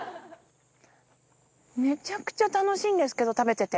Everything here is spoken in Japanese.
めちゃくちゃ楽しいんですけど食べてて。